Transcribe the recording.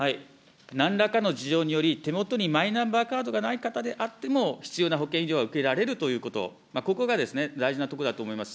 なんらかの事情により、手元にマイナンバーカードがない方であっても、必要な保険医療が受けられるということ、ここが大事なところだと思います。